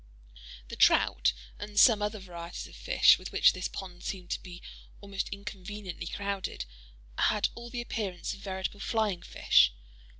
The trout, and some other varieties of fish, with which this pond seemed to be almost inconveniently crowded, had all the appearance of veritable flying fish.